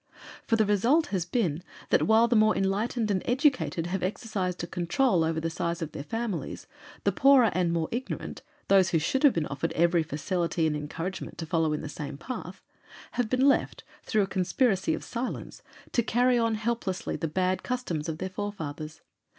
For the result has been that while the more enlightened and educated have exercised a control over the size of their families, the poorer and more ignorant those who should have been offered every facility and encouragement to follow in the same path have been left, through a conspiracy of silence, to carry on helplessly the bad customs of their forefathers.